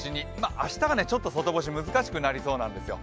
明日が、ちょっと外干し難しくなりそうなんですよ。